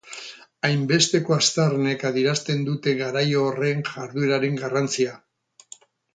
Hainbesteko aztarnek adierazten dute garai horren jardueraren garrantzia.